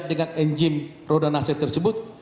dengan enzim roda naseh tersebut